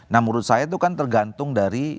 nah menurut saya itu kan tergantung dari